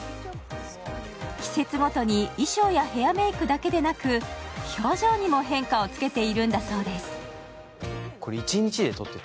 季節ごとに衣装やヘアメイクだけでなく、表情にも変化をつけているんだそうです。